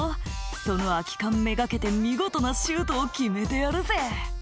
「その空き缶めがけて見事なシュートを決めてやるぜ」